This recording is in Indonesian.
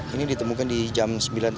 ini ditemukan di jam sembilan tiga puluh